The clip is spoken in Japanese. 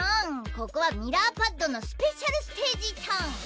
ここはミラーパッドのスペシャルステージトン！